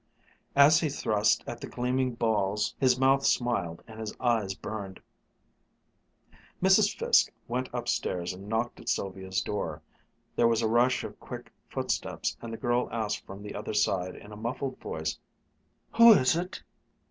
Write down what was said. As he thrust at the gleaming balls, his mouth smiled and his eyes burned. Mrs. Fiske went upstairs and knocked at Sylvia's door. There was a rush of quick footsteps and the girl asked from the other side in a muffled voice, "Who is it?"